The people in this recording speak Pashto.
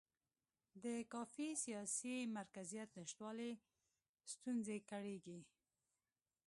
د کافي سیاسي مرکزیت نشتوالي ستونزې کړېږي.